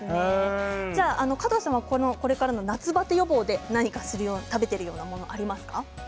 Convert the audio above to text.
加藤さんはこれから夏バテ予防で何か食べてるようなものありますか？